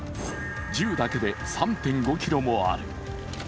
銃だけで３．５ｋｇもある。